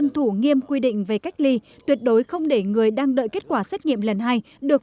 thủ nghiêm quy định về cách ly tuyệt đối không để người đang đợi kết quả xét nghiệm lần hai được